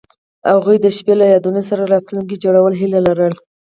هغوی د شپه له یادونو سره راتلونکی جوړولو هیله لرله.